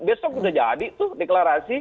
besok udah jadi tuh deklarasi